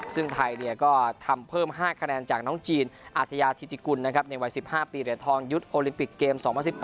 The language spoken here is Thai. ซึ่งไทยก็ทำเพิ่ม๕คะแนนจากน้องจีนอาชญาธิติกุลในวัย๑๕ปีเหรียญทองยุทธ์โอลิมปิกเกม๒๐๑๘